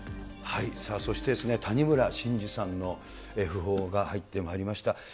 さあそして、谷村新司さんの訃報が入ってまいりました。